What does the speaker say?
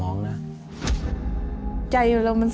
พ่อลูกรู้สึกปวดหัวมาก